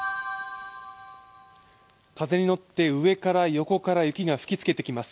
風に乗って上から横から雪が吹きつけてきます。